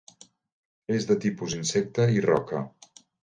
És de tipus insecte i roca.